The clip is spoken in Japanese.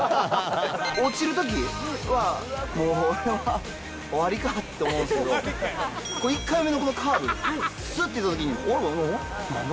落ちるときは、もう、終わりかって思うんですけど、これ、１回目のカーブ、すっていったときに、おー、なんだ